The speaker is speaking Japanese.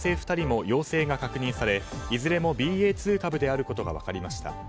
２人も陽性が確認されいずれもＢＡ．２株であることが分かりました。